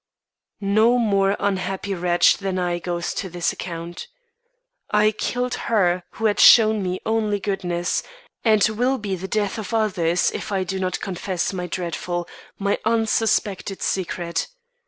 No more unhappy wretch than I goes to his account. I killed her who had shown me only goodness, and will be the death of others if I do not confess my dreadful, my unsuspected secret.